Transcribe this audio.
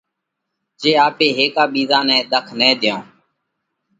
جي آپي هيڪا ٻِيزا نئہ ۮک نہ ۮيون،